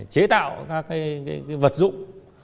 chế tạo các vật dụng